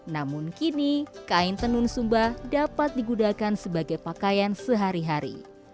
namun kini kain tenun sumba dapat digunakan sebagai pakaian sehari hari